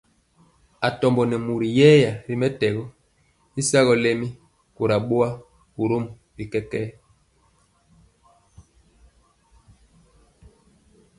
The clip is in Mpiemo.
Atombo nɛ mori yɛya ri mɛtɛgɔ y sagɔ lɛmi kora boa, borom bi kɛkɛɛ.